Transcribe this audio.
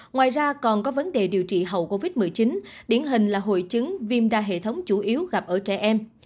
ngoài ra còn có vấn đề điều trị hậu covid một mươi chín điển hình là hội chứng viêm đa hệ thống chủ yếu gặp ở trẻ em